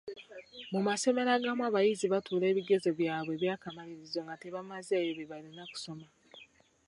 Mu masomero agamu abayizi batuula ebigezo byabwe eby'akamalirizo nga tebamazeeyo bye balina kusoma.